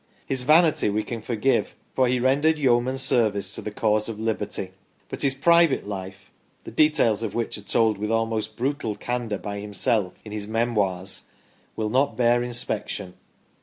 His vanity we can forgive, for he rendered yeoman service to the cause of Liberty, but his private life, the details of which are told with almost brutal candour by himself in his " Memoirs," will not bear inspection.